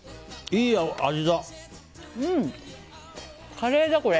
カレーだ、これ。